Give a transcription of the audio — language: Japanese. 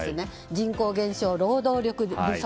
人口減少、労働力不足。